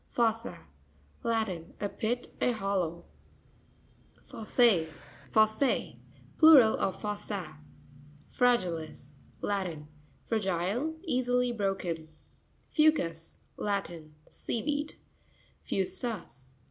Fo'ssa.—Latin. A pit, a hollow. Fos's.z.—Plural of fossa. Fra'ainis.—Latin. — Fragile; easily broken. Fou'cus.—Latin. Sea weed. Fu'sus.